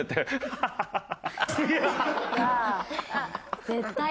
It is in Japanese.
ハハハハ！